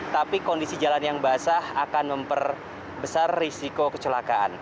tapi kondisi jalan yang basah akan memperbesar risiko kecelakaan